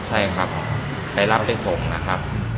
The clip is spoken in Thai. ใช่ครับไปรับไปส่งนะครับ